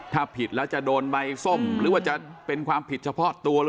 ถ้าผิดแล้วจะโดนใบส้มหรือว่าจะเป็นความผิดเฉพาะตัวหรือ